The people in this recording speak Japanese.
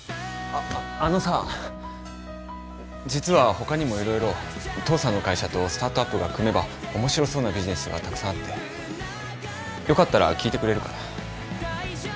あっあのさ実は他にも色々父さんの会社とスタートアップが組めば面白そうなビジネスがたくさんあってよかったら聞いてくれるかな